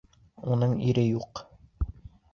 Уның ире юҡ.